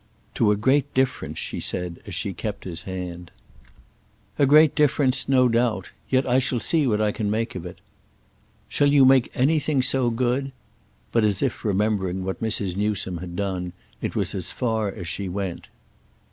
"To a great difference," she said as she kept his hand. "A great difference—no doubt. Yet I shall see what I can make of it." "Shall you make anything so good—?" But, as if remembering what Mrs. Newsome had done, it was as far as she went.